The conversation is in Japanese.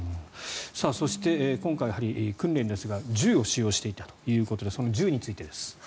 そして今回、やはり訓練ですが銃を使用していたということでその銃についてです。